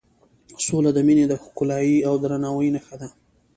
سوله د مینې د ښکلایې او درناوي نښه ده.